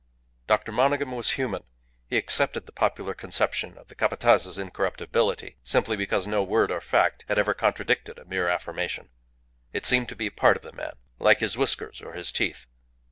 Dr. Monygham was human; he accepted the popular conception of the Capataz's incorruptibility simply because no word or fact had ever contradicted a mere affirmation. It seemed to be a part of the man, like his whiskers or his teeth.